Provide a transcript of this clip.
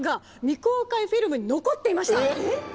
えっ！